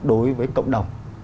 đối với cộng đồng